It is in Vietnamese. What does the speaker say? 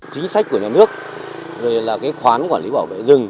chính sách của nhà nước là khoán quản lý bảo vệ rừng